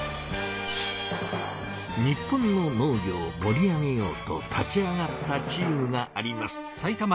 日本の農業をもり上げようと立ち上がったチームがあります。